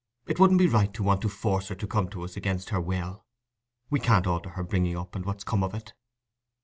It wouldn't be right to want to force her to come to us against her will. We can't alter her bringing up and what's come of it."